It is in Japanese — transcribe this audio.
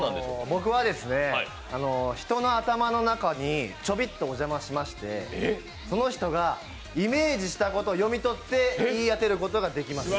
僕は、人の頭の中にちょびっとお邪魔しましてその人がイメージしたことを読み取って言い当てることができます。